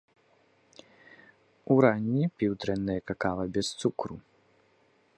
Уранні піў дрэннае какава без цукру.